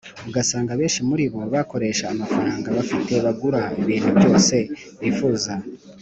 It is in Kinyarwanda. ugasanga abenshi muri bo barakoresha amafaranga bafite bagura ibintu byose bifuza